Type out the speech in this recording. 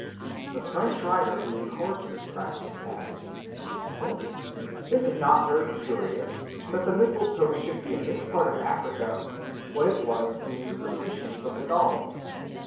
The French writer who records this practice adds: "Is it not very curious that the mistletoe should be in this part of Africa what it was in the superstitions of the Gauls?